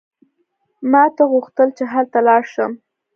ما ته غوښتل چې هلته لاړ شم.